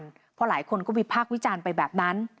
เพราะหลายคนก็วิพากษ์วิจารณ์ไปแบบนั้น